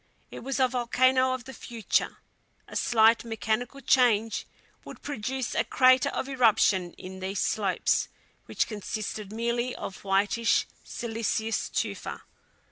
It was a volcano of the future. A slight mechanical change would produce a crater of eruption in these slopes, which consisted merely of whitish silicious tufa.